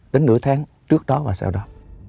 đến nửa tháng trước đó và sau đó